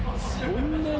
そんなに？